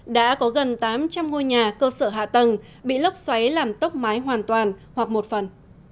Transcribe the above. đã có gần tám trăm linh ngôi nhà cơ sở hạ tầng bị lốc xoáy làm tốc mái hoàn toàn hoặc một phần